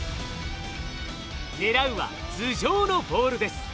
狙うは頭上のボールです。